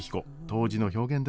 当時の表現です。